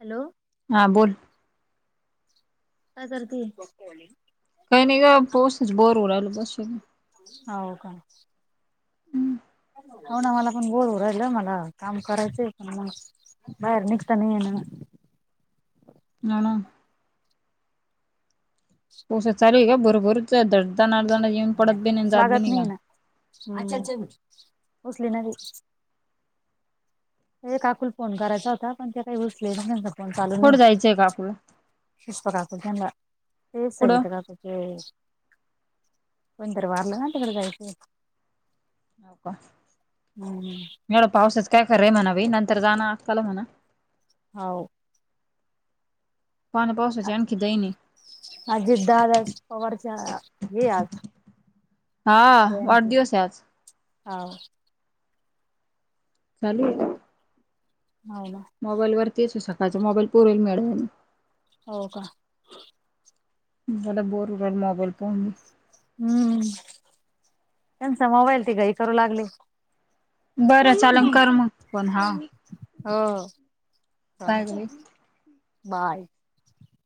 Hello. हा बोल. काय करती? काय नाही ग पोसाच बोर होऊ राहिल बसून. हाव का? [unintelligible] हाव ना मला पण बोर होऊ राहिल मला काम करायचंय पण मग बार निघता नाय ये ना. [unintelligible] पाऊस चालू आहे का बरोबरच आहे दना दन येऊन पडत बीन जात बी नाय. अच्छा अच्छा अच्छा पोचले ना? ते काकुल फोन करायचा होता पण ते काय उचलिना त्यांचा फोन चालू नाय. कुठं जायचंय का आपलं कीस्ता राहतो त्यांना कुठं हो तेच [inaudible] कोण तर वारलं ना तिकड जायचय. हाव का हम्म एवढ्या पावसाच काय खरय म्हणा बाई नंतर जा ना अक्काला म्हणा. हाव. पाना पावची आणखी दैनी. अजित दाद पवारच्या हे हाय आज. हा वाढदिवस हाय आज. हाव. चालू ए? हाव ना. मोबाईलवरती येतो सकाळचं मोबाईल पुरीला हो का? मला बोर होऊ राहील मोबाईल पाऊण. हम्म त्यांचा मोबाईल ते काय करू लागले? बरं [inaudible] चालन कर मग पण हा हो का काय ग बाई? बाय.